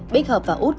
bích hợp và úc